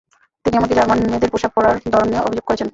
তিনি এমনকি জার্মান মেয়েদের পোশাক পরার ধরন নিয়েও অভিযোগ করেছেন।